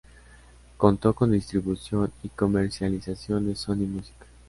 Contó con distribución y comercialización de Sony Music.